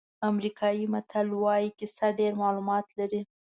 امریکایي متل وایي کیسه ډېر معلومات لري.